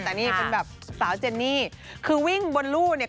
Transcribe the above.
แต่นี่เป็นแบบสาวเจนนี่คือวิ่งบนลู่เนี่ย